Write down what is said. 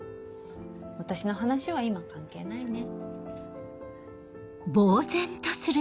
私の話は今関係ないね。